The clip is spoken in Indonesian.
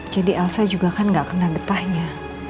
jadi elsa juga kan gak kena getahnya